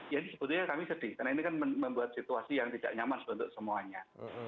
jadi sebetulnya kami sedih karena ini kan membuat situasi yang tidak nyaman untuk semuanya